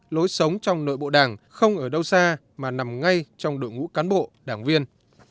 lối sống trong nội bộ đảng không ở đâu xa mà nằm ngay trong đội ngũ cán bộ đảng viên